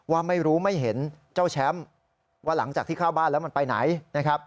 ว่าไม่รู้ไม่เห็นเจ้าแชมป์ว่าหลังจากที่เข้าบ้านแล้วมันไปไหนนะครับ